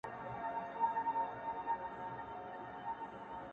نن دې تصوير زما پر ژړا باندې راوښويدی،